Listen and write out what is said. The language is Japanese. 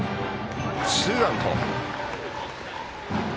ツーアウト。